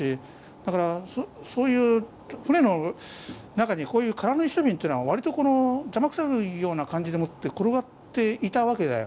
だからそういう船の中にこういう空の一升瓶というのは割とこの邪魔くさいような感じでもって転がっていたわけだよ。